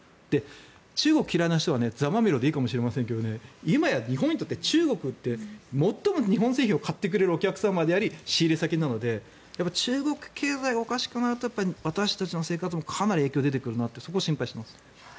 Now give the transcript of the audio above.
中国が嫌いな人はざまあみろでいいかもしれませんが今や日本にとって中国って最も日本製品を買ってくれるお客様であり仕入れ先なので中国経済がおかしくなると私たちの生活にもかなり影響が出てくるなとそこが心配です。